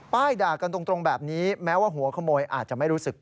ด่ากันตรงแบบนี้แม้ว่าหัวขโมยอาจจะไม่รู้สึก